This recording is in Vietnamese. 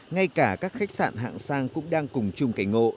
ngay cả các khách sạn hạng sang cũng đang cùng chung cảnh ngộ